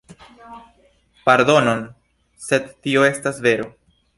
Pardonon, sed tio estas vero.